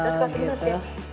terus kasih kasih ya